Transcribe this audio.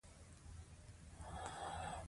تر هغې پیښې وړاندې خلکو ډېرې زدهکړې کړې وې.